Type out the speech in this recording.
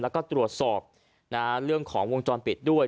แล้วก็ตรวจสอบเรื่องของวงจรปิดด้วย